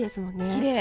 きれい。